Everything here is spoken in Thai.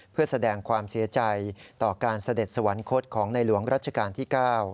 เพื่อแสดงความเสียใจต่อการเสด็จสวรรคตของในหลวงรัชกาลที่๙